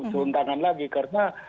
turun tangan lagi karena